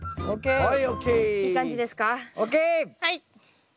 はい。